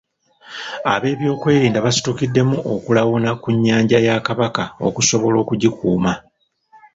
Ab'ebyokwerinda basitukiddemu okulawuna ku nnyanja ya Kabaka okusobola okugikuuma.